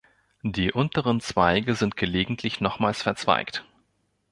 Die unteren Zweige sind gelegentlich nochmals verzweigt.